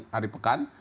dan ini hari pekan